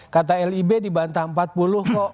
kata lib dibantah empat puluh kok